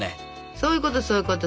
そういうことそういうこと。